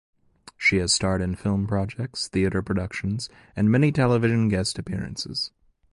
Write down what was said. She has starred in film projects, theatre productions and many television guest appearances.